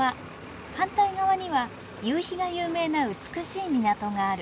反対側には夕日が有名な美しい港がある。